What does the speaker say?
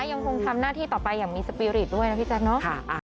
ยังคงทำหน้าที่ต่อไปอย่างมีสปีริตด้วยนะพี่แจ๊คเนอะ